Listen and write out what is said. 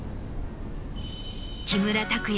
木村拓哉